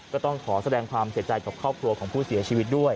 ก็ต้องขอแสดงความเสียใจกับครอบครัวของผู้เสียชีวิตด้วย